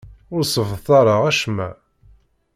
Ur ssebṭaleɣ acemma.